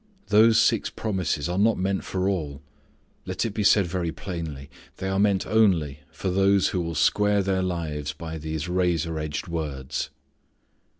Those six promises are not meant for all. Let it be said very plainly. They are meant only for those who will square their lives by these razor edged words.